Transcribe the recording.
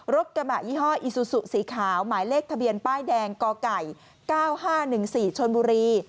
รถกระบะยี่ห้ออิซูสู่สีขาวหมายเลขทะเบียนป้ายแดงกอไก่เจ้าห้าหนึ่งสี่ชนบุรี